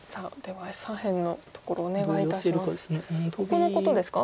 ここのことですか？